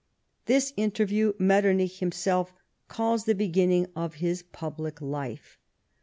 This interview Metternich himself calls the beginning of his public life.